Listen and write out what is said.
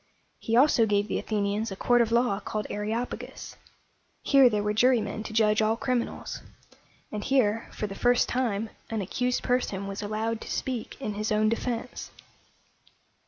He also gave the Athenians a court of law called A re op´a gus. Here there were jurymen to judge all criminals; and here, for the first time, an accused person was allowed to speak in his own defense.